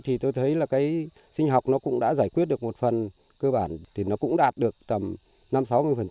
thì tôi thấy là cái sinh học nó cũng đã giải quyết được một phần cơ bản thì nó cũng đạt được tầm năm sáu mươi